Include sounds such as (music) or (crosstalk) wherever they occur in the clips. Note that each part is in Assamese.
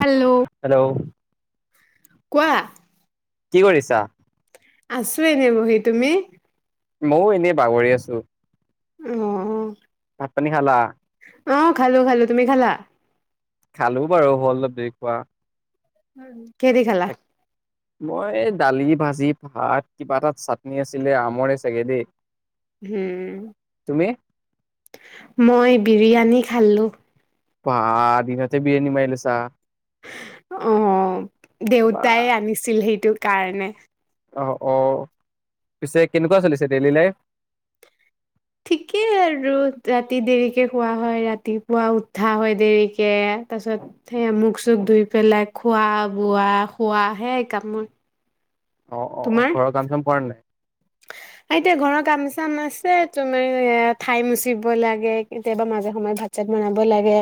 হেল্ল', হেল্ল' কোৱা। কি কৰিছা? আছো এনেই বহি, তুমি? মইও এনেই বাগৰি আছো। অ', অ'। ভাত পানী খালা? অ', খালো, খালো, তুমি খালা? খালো বাৰু, হ'ল অলপ দেৰি খোৱা। উম। কি দি খালা? তাক মই দালি, ভাজি, ভাত, কিবা এটা চাটনি আছিলে, আমৰে চাগে দেই। উম, তুমি? মই বিৰিয়ানী খালোঁ। বা, দিনতে বিৰিয়ানী মাৰি লৈছা। অ', বা দেউতাই আনিছিল সেইটো। কাৰণে। অ', অ', পিছে কেনেকুৱা চলিছে ডেইলি লাইফ? ঠিকেই আৰু ৰাতি দেৰিকে খোৱা হয়, ৰাতিপুৱা উঠা হয় দেৰিকে, তাৰপিছত সেই মুখ চুখ ধুই পেলাই, খোৱা বোৱা শোৱা, সেইয়াই কাম মোৰ। অ' অ' তোমাৰ? ঘৰৰ কাম চাম কৰা নাই? এতিয়া ঘৰৰ কাম চাম আছে, তোমাৰ এ ঠাই মচিব লাগে, কেতিয়াবা মাজে সময়ে ভাত চাত বনাব লাগে।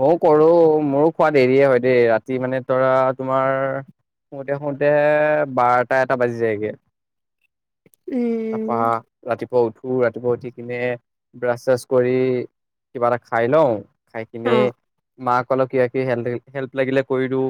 ময়ো কৰো, মোৰো খোৱা দেৰিয়ে হয় দেই, ৰাতি মানে ধৰা তোমাৰ শুতে শুতে বাৰটা এটা বাজি যায়গে। তা পা উম, ৰাতি উঠো, ৰাতিপুৱা উঠি কিনে ব্ৰাছ চাছ কৰি কিবা এটা খাই লওঁ। খাই কিনে, অ', মাক সকলক কি কি হেল্প, হেল্প লাগিলে কৰি দিওঁ।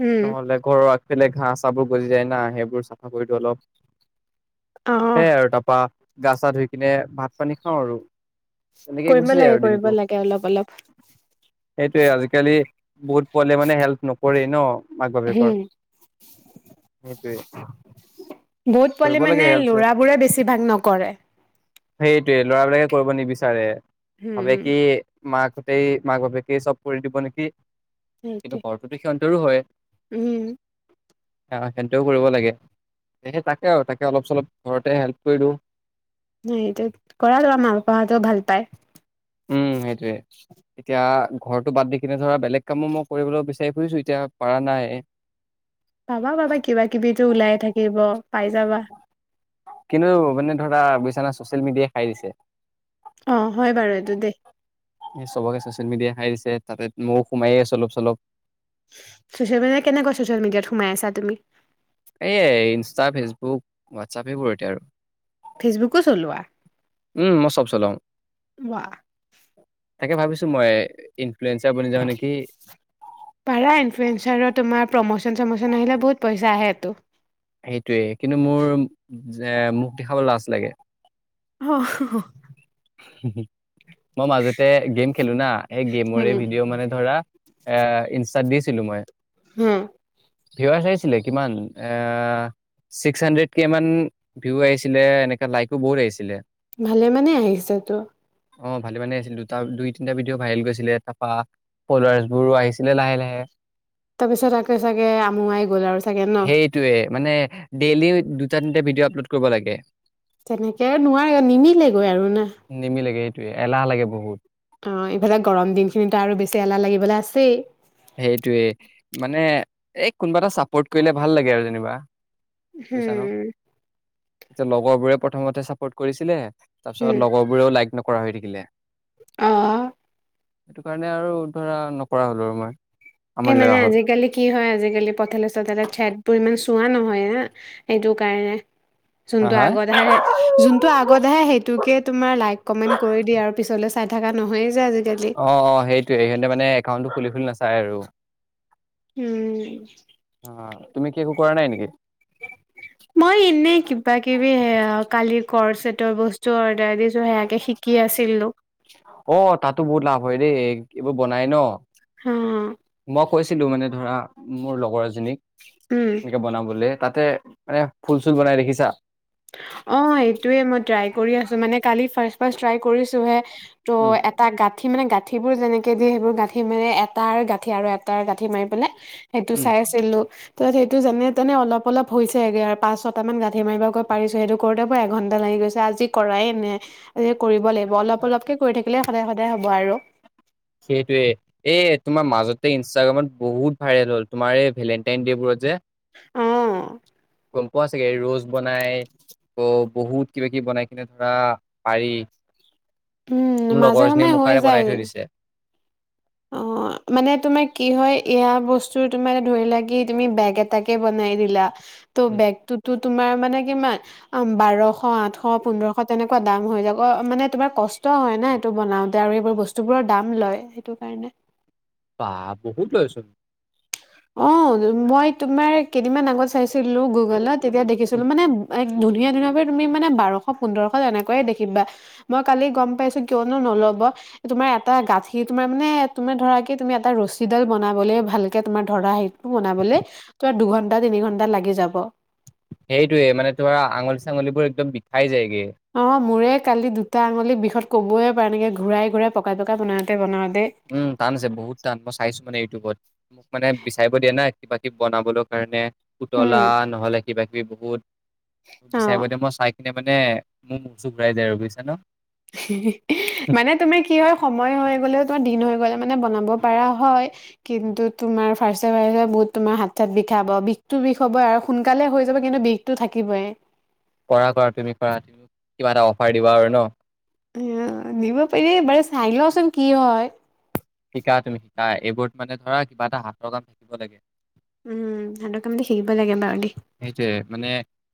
উম, নহ'লে ঘৰৰ আ ফালে ঘাঁহ চাহবোৰ গজি যায় না, সেইবোৰ চাফা কৰি দিওঁ অলপ। অ', সেই আৰু টাপা গা চা ধুই কিনে, ভাত পানী খাওঁ আৰু। তেনেকেই গুচি কৰিব লাগে, কৰিব লাগে, অলপ অলপ। সেইটোৱে, আজিকালি বহুত পলে মে হেল্প ন কৰে ন'। মাক বাপেকৰ হম, সেইটোয়ে বহুত কৰিব পোৱালি লাগে মানে ল'ৰাবোৰে বেছি বেছিভাগ নকৰে। সেইটোৱে ল'ৰাবিলাকে কৰিব নিবিচাৰে। হুম, ভাবে উম, কি মাকহ'তেই মাক বাপেকে চব কৰি দিব নেকি। সেইটোৱে, কিন্তু ঘৰটোটো সি ৰো হয়। উম। অহ, সেনতেও কৰিব লাগে সে তাকে আৰু তাকে অলপ চলপ ঘৰতে হেল্প কৰিলো। ন' এইটো কৰা ল'ৰা মা পাপাহঁতেও ভাল পায়। উম, সেইটোৱেই। এতিয়া ঘৰটো বাদ দি কিনে ধৰা বেলেগ কামো মই কৰিবলৈ বিচাৰি ফুৰিছো এতিয়া পৰা নাই। পাবা পাবা কিবা কিবিটো ওলাইে থাকিব পাই যাবা। কিন্তু মানে ধৰা বিছানা চচিয়েল মিডিয়াই খাই দিছে। অ', হয় বাৰু এইটো দেই। এই চবকে চচিয়েল মিডিয়া খাই দিছে তাতে ময়ো সোমাইে আছো অলপ চলপ। চচিয়েল মিডিয়াত কেনেকুৱা চচিয়েল মিডিয়াত সোমাই আছা তুমি? এইয় ইনষ্টা, ফেচবুক, হোৱাটছাপ সেইবোৰ এতিয়া আৰু। ফেচবুকো চলোৱা উম মই চব চলাও ৱা। তাকে ভাবিছো মই ইনফ্লুৱেঞ্চাৰ বনি যাওঁ নেকি পাৰা ইনফ্লয়েঞ্চাৰ তোমাৰ প্ৰমচ চমচন আহিলে বহুত পইচা আহে টো। সেইটোৱে কিন্তু মোৰ যে মুখ দেখাবলৈ লাজ লাগে। অ'। (inaudible) মই মাজতে গেম খেলো না এই গেমৰে উম, ভিডিঅ' মানে ধৰা এ ইনষ্টাদ দিছিলো মই। হম। ভিউআৰছ আহিছিলে কিমান এ ছিক্স হাণ্ড্ৰেড কে মান ভিউ আহিছিলে এনেকে লাইকো বহুত আহিছিলে। ভালে মানে আহিছে তো। অ', ভালে মানে আহিছিল দুটা দুই তিনিটা ভিডিঅ' ভাইৰেল গৈছিলে তাৰপা ফলোৱাৰ্চ বোৰো আহিছিলে লাহে লাহে। তাৰপিছত আকৌ চাগে আমোৱাই গ'ল আৰু চাগে ন'। সেইটোয়ে মানে ডেইলি দুটা তিনিটা ভিডিঅ' আপলোড কৰিব লাগে। তেনেকে নোৱাৰে নিমিলে গৈ। নিমিলেগে। এই এলাহ লাগে বহুত। অ', ইফালে গৰম দিন খিনিটো আৰু বেছি এলাহ লাগিবলৈ আছেই। সেইটোৱে মানে এই কোনোবা এটা চাপৰ্ট কৰিলে ভাল লাগে আৰু যেনিবা। বুজিছা ন হম'। এতিয়া লগৰ বোৰে প্ৰথমতে চাপ'ৰ্ট কৰিছিলে। তাৰ পিছত লগৰ বোৰেও লাইক নক কৰা হৈ থাকিলে। অহ। সেইটো কাৰণে আৰু ধৰা নকৰা হ'লো আৰু মই। এই আমনি মানে লগা হ'ল আজিকালি কি হয় আজিকালি পথাল। তাতে চাইদবোৰ ইমান চোৱা নহয় আ সেইটো কাৰণে। হা যোনটো হা? আগতে আহে যোনটো আগত আহে সেইটোকে তোমাৰ লাইক কমেন্ট কৰি দিয়া আৰু পিছলে চাই থাকা। অ-অ, সেইটোয়ে সিহঁতে মানে একাউণ্টটো খুলি-খুলি নাচালে। তাই আৰু। উম, অ' তুমি কি একো কৰা নাই নেকি? মই এনে কিবা-কিবি সেই কালিৰ, কৰ্চেতৰ বস্তু অৰ্ডাৰ দিছো সেয়াকে শিকি আছিলো অ' তাতো বহু লাভ। হয় দেই এইবোৰ বনাই ন। অ ম কৈছিলোঁ মানে ধৰা মোৰ লগৰ এজনীক উম, এনেকে বনাবলে। তাতে মানে ফুল-চুল বনাই দেখিছা। অ এইটোৱে মই ট্ৰাই কৰি আছো মানে কালি ফাৰ্ষ্ট-ফাৰ্ষ্ট ট্ৰাই কৰিছোহে। ত' উম এটা গাঁঠি সি মানে গাঁঠিবোৰ যেনেকৈ দিয়ে সেইবোৰ গাঁঠি মানে এটাৰ গাঁঠি আৰু এটাৰ গাঁঠি মাৰি পেলাই। সেইটো উম চাই আছিলো। তাত, সেইটো যেনে তেনে অলপ-অলপ হৈছেগে আৰু পাঁচ ছটা মান গাঁঠি মাৰিবলে পাৰিছো সেইটো কৰোতে মোৰএঘন্টা লাগি গৈছে আজি কৰাই নাই। এ কৰিব লাগিব অলপ-অলপকে কৰি থাকিলে সদায়-সদায় হ'ব আৰু। সেইটোৱে এ তোমাৰ মাজতে ইনষ্টাগ্ৰামত বহুত ভাইৰেল হ'ল তোমাৰ এই ভেলেনটাইন ডে বোৰত যে। অ', গম পোৱা চাগে ৰ'জ বনাই অ' বহুত কিবা কিবি বনাই কিনিব পাৰি। উম, মোৰ মাজে লগৰজনীয়ে সময়ে মোৰ হৈ কাৰণে বনাই যায়। থৈ দিছে অ' মানে তোমাৰ কি হয় এয়া বস্তু তোমাৰ ধৰি লোৱা তুমি বেগ এটাকে বনাই দিলা। ত' উম বেগটোতো তোমাৰ মানে কি জানা বাৰশ আঠশ পোন্ধৰশ দাম হৈ যাব মানে তোমাৰ কষ্ট হয় না এইটো বনাওতে আৰু বস্তুবোৰৰ দাম লয়, সেইটো। পাইনে? ৱা বহুত লয় চোন। অ', মই তোমাৰ কেইদিনমান আগত চাইছি চাইছিলোঁ গুগলত তেতিয়া দেখিছিলো মানে এক ধুনীয়া ধুনীয়া তুমি মানে বাৰশ পোন্ধৰশ এনেকৈয়ে দেখিবা, মই কালি গম পাইছো কিয়নো নল'ব তোমাৰ এটা গাঠীৰ তোমাৰ মানে তুমি ধৰা কি তুমি এটা ৰছীডাল বনাবলে ভালকে তোমাৰ ধৰা হেৰিটো বনাবলে তোমাৰ দুঘন্টা তিনি ঘন্টা লাগি যাব। সেইটোৱে মানে তোমাৰ আঙুলি চাঙলিবোৰ একদম বিষাই যায়গে। অ', মোৰে কালি দুটা আঙুলি বিষত ক'বয়ে পৰা নাই এনেকে ঘূৰাই ঘূৰাই পকাই পকাই বনাওঁতে বনাওঁত উম, টান আছে বহুত টান মই চাইছো মানে ইউটিউবত, মোক মানে বিচাৰিব দিয়া নাই। কিবাকিবি বনাবলৈ কাৰণে। উম, পুতলা নহ'লে কিবাকিবি বহুত। অ'। বিচাৰিব দিয়ে, মই চাই কিনে মানে মোৰ মূৰ চুৰ ঘূৰাই যায় আৰু বুজিছে ন'? মানে তোমাৰ কি হয় সময় হৈ গ'লেও তোমাৰ দিন হৈ গ'লে মানে বনাব পাৰা হয়। কিন্তু তোমাৰ ফাৰ্ষ্টে ফাৰ্ষ্টে বহুত তোমাৰ হাত চাত বিষাব বিষটো বিষ হ'বই আৰু সোনকালে হৈ যাব কিন্তু বিষটো থাকিবই। কৰা, কৰা তুমি কৰা তুমি কিবা এটা অফাৰ দিবা আৰু ন'? অ', নিব পাৰি বাৰু চাই লওঁচোন কি হয়। শিকা তুমি। এইবোৰত মানে ধৰা কিবা এটা হাতৰ কাম থাকিব লাগে। উম, হাতৰ কামটো শিকিব লাগে বাৰু দেই। সেই যে মানে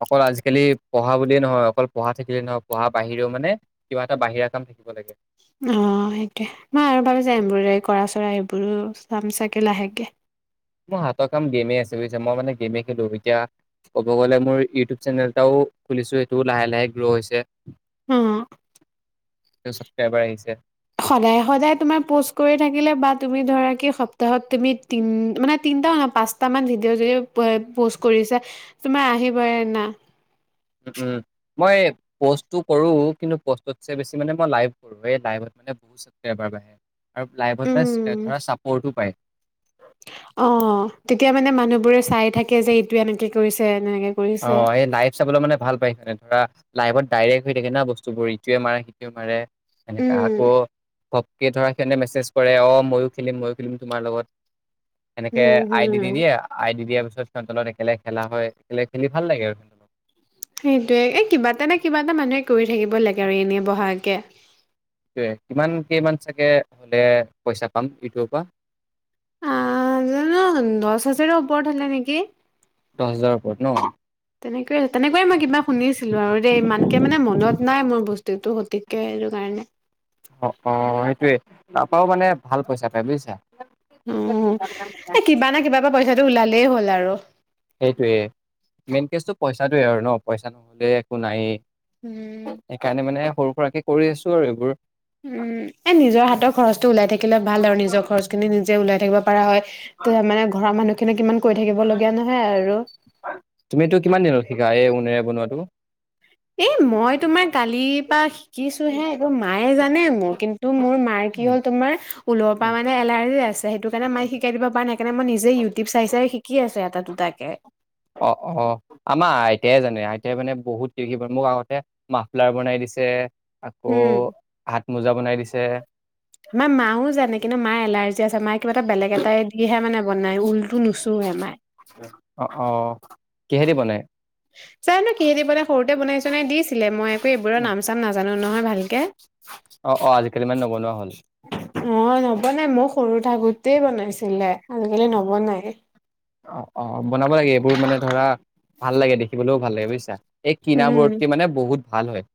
অকল আজিকালি পঢ়া বুলিয়েই নহয় অকল পঢ়া থাকিলেই নহয় পঢ়া বাহিৰেও মানে কিবা এটা বাহিৰা কাম থাকিব লাগে। অ', সেইটোৱে মই আৰু ভাবিছা এম্ব্ৰডায়েৰি কৰা চৰা এইবোৰো চাম চাগে লাহেকে। মোৰ হাতৰ কাম গেমে আছে বুজিছে মই মানে গেমেই খেলো এতিয়া ক'ব গ'লে মোৰ ইউটিউব চেনেল এটাও খুলিছো সেইটোও লাহে লাহে গ্ৰ' হৈছে। অ', ছাবস্ক্ৰাইবাৰ আহিছে সদায়, সদায় তোমাৰ প'ষ্ট কৰি থাক থাকিলে বা তুমি ধৰা সপ্তাহত তুমি তিনি মানে তিনিটা নহয় পাঁচটা মান ভিডিঅ যদি প'ষ্ট কৰিছা তোমাৰ আহিবই না। মই প'ষ্টটো কৰোঁ কিন্তু প'ষ্টতছে বেছি মানে মই লাইভ কৰোঁ এই লাইভত মানে বহুত চাবস্ক্ৰাইবাৰ বাহে আৰু লাইভত মানে উম ধৰা চাপৰ্টো পায়। অ', তেতিয়া মানে মানুহবোৰে চাই থাকে যে এইটো এনেকে কৰিছে। এনেকে কৰিছে অ', এই লাইভ চাবলে মানে ভাল পাই ধৰা লাইভত ডাইৰেক্ট হৈ থাকে ন' বস্তুবোৰ ইটোৱে মাৰে সিটোৱে মাৰে। এনেকে আকৌ উম ঘপকে ধৰা মেছেজ কৰে অ ময়ো খেলিম ময়ো খেলিম তোমাৰ লগত। এনেকে হম আই ডি দি হম দিয়ে, আই ডি দিয়া পিছত পিত তলত একেলগ খেলা হয় খেলে খেলি ভাল লাগে আৰুন্ত অলপ সেইটয়ে এ কিবা এটা নে কিবা এটা মানুহে কৰি থাকিব লাগে আৰু এনেই বহাকে কিমান কেইমান চাগে হ'লে পইচা পাম ইউটিউবৰ পৰা আ জান দশ হাজাৰ ওপৰত হলে নেকি দহ হাজাৰৰ ওপৰত ন অ তেনেকৈয়ে তেনেকৈয়ে মই কিবা শুনিছিলো আৰু দেই ইমানকে মানে মনত নাই মোৰ বস্তু টো শতিকে এইটো কাৰণে অ অ সেইটোয়ে তাৰাপৰাও মানে ভাল পইচা তাই বুজিছা উম এ কিবা না কিবা পৰা পইচা ওলালেই হ'ল আৰু সেইটোোৱে মেইন কেচটো পইচটোোৱে আৰু ন পইচা নহলে একো নাই উম। সেইকাৰণে মানে সৰু ৰাকে কৰি আছো আৰু এইবোৰ উম এ নিজৰ হাতৰ খৰচটো ওলাই থাকিলে ভাল আৰু নিজৰ খৰচ খিনি নিজে ওলাই থাকিব কৰা হয় ত মানে ঘৰৰ মানুহ খিনিয় কিমান কৈ থাকিব লগীয়া নহয় আৰু (unintelligible) তুমিতো কিমান দিনত শিকা এই োনেৰে বনোৱাাতটো এ মই তোমাৰ কালি পাঁচ কিছো হে একদম মায়ে জানে ম হ তমাৰ ওৰ মে এলাৰ্ সকাৰে মে শিকাই দিব প ন সেইকাৰণে মই নিজে ইউটিউব চাই চাই শিকি আছো এটা দুটাকে অ অ আমাৰ আইতাই জানে আইতাই মানে বহুত কষি মোক আগতে মাফলাৰ বনাই দিছে আকৌ উম, হাত মোজা বনাই দিছে মমাৰ মাও জানে কিন্তু মা এলাৰ্জি য় কিবা এটা বেলেগ এটাই দিহে মানে বনাই ঊলটো নুচোহে মায় কেহেতি বনাই জানানো কিহেতি বাই সৰুতে বনাই চনাই দিছিলে মই একো এইবোৰৰ অ', নাম চাম নাজানো নহয় ভালকে অ', আজিকালি মানে নবনোৱা হ'ল। অ বনাই মোক সৰু থাকোতেই বনাইছিলে আজিকালি নবনাই অ অ বনাব লাগে এইবোৰ মানে ধৰা ভাল লাগে দেখিবলৈও ভাল লাগে বুজিছা এই উম কিনাবোৰ মানে বহুত। ভাল হয়।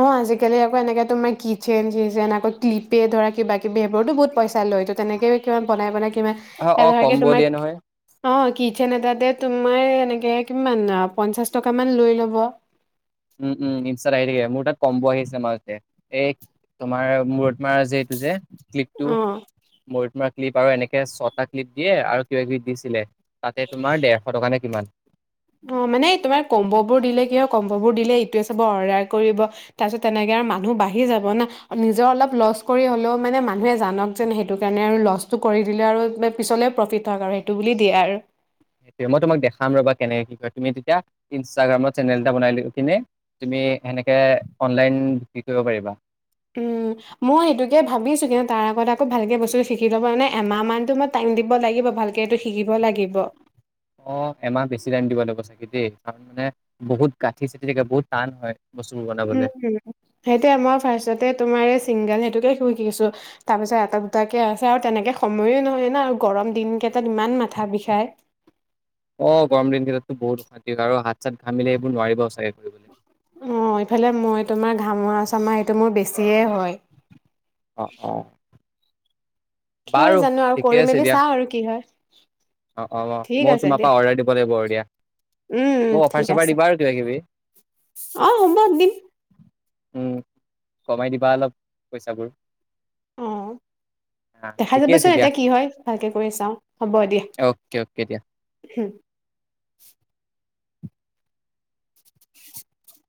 অ' আজিকালি আকৌ এনেকে তোমাৰ কিচেন-চিচেন আকৌ ক্লিপে ধৰা কিবা কিবি সেইবোৰটো বহুত পইচা লয়টো তেনেকেও কিমান বনায় বনায় কিমান। অ', এই অ', ধৰাকে কম্ব দিয়ে তোমাৰ, নহয়। অঁ কিচেন এটাতে তোমাৰ এনেকে কিমান, পঞ্চাশ টকামান লৈ ল'ব। উম উম ইনষ্টাত আহি থাকে মোৰ তাত কম্ব' আহি আছে মাজতে, এই তোমাৰ মোৰ তোমাৰ যে এইটো যে ক্লিপটো, অ' মূৰত মৰা ক্লিপ আৰু এনেকে ছটা ক্লিপ দিয়ে আৰু কিবা কিবি দিছিলে। তাতে তোমাৰ দেৰশ টকা নে কিমান। অ' মানে তোমাৰ কম্ব'বোৰ দিলে কি হয় কম্ববোৰ দিলে ইটোৱে চাব অৰদাৰ কৰিব, তাৰপিচত তেনেকে মানুহ বাঢ়ি যাব না, নিজৰ অলপ লচ কৰি হলেও মানে মানুহে জানক যেন সেইটো কাৰণে আৰু লচটো কৰি দিলে আৰু পিছলে প্ৰফিত হওঁক আৰু সেইটো বুলি দিয়ে আৰু। মই তোমাক দেখাম ৰ'বা কেনেকে কি কৰে? তুমি তেতিয়া ইনষ্টাগ্ৰামত চেনেল এটা বনাই লৈ কিনে তুমি সেনেকে অনলাইন বিক্ৰি কৰিব পাৰিবা। উম মই সেইটোকে ভাবিছো কিন্তু তাৰ আগত আকৌ ভালকে বস্তুটো শিকি ল'ব কাৰণে এমাহ মানতো মই টাইম দিব লাগিব ভালকে। এইটো শিকিব লাগিব অ' এমাহ বেছি টাইম দিব লাগিব চাগে। সেইটোৱে তাৰ মানে বহুত গাঁঠি-চাঠি থাকে বহুত টান হয়। বস্তুবোৰ উম বনাবলে উম সেইটি আমাৰ ফাৰ্ষ্টতে তোমাৰ এই চিংগাল সেইটোকে শু কিছো তাৰ পিছত এটা দুটাকে আছে আৰু তেনেকে সময়ে নহয় না আৰু গৰম দিন কেইটাত ইমান মাথা বিষাই। অ' গৰম দিনকেইটা টো বহুত অশান্তি আৰু হাত-চাত ঘামিলে এইবোৰ নোৱাৰিবাও চাগে। কৰিবলৈ অ' ইফালে মই তোমাৰ ঘামৰা-চামৰা সেইটো মোৰ বেছিয়ে হয়। অ' অ। কি হয় বাৰু জানো আৰু ঠিকে কৰি আছে মেলি দিয়া চাওঁ আৰু কি হয়, অ অ ঠিক ময়ো আছে তোমাৰ দিয়া। পৰা অৰ্ডাৰ দিব লাগিব আৰু দিয়া উম, উম মোক অফাৰ ঠিক চফাৰ আছে। দিবা আৰু কিবা কিবি অ' হ'ব দিম। উম, কমাই দিবা অলপ, পইচাবোৰ। অ'। হা দেখা ঠিকে যাব আছে চোন দিয়া এতিয়া কি হয়? ভালকে কৰি চাওঁ, হ'ব দিয়া। অ'কে অ'কে দিয়া (unintelligible) (inaudible)